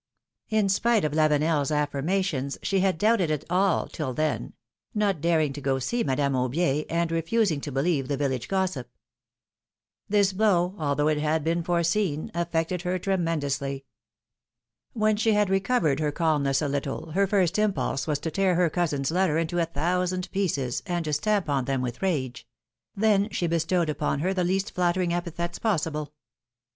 In spite of Lavenefs affirmations she had doubted it all till then — not daring to go to see Madame Aubier, and refusing to believe the village gossip. This blow, although it had been foreseen, affected her tremendously. When she had recovered her calmness a little, her first impulse was to tear her cousin's letter into a thousand pieces and to stamp on them with rage ; then she bestowed upon her the least flattering epithets possible.